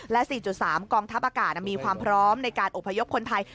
และ๔๓กองทัพอากาศมีความพร้อมในการอบพยพคนไทย